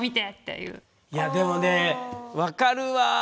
いやでもね分かるわ。